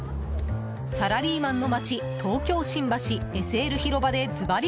サラリーマンの街、東京・新橋ＳＬ広場で、ずばり！